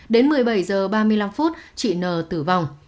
đến một mươi bảy h ba mươi năm phút chị n tử vong